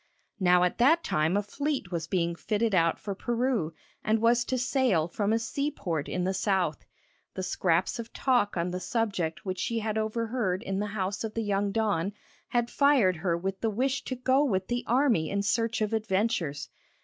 Now at that time a fleet was being fitted out for Peru, and was to sail from a seaport in the South. The scraps of talk on the subject which she had overheard in the house of the young don had fired her with the wish to go with the army in search of adventures.